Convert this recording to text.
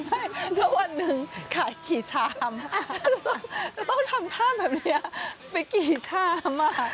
ทุกวันหนึ่งขายกี่ชามแล้วต้องทำภาพแบบนี้ไปกี่ชาม